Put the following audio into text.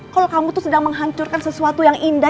kalau kamu tuh sedang menghancurkan sesuatu yang indah